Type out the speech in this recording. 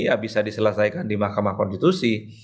ya bisa diselesaikan di mahkamah konstitusi